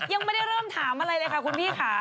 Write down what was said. ยังไม่ได้เริ่มถามอะไรเลยค่ะคุณพี่ค่ะ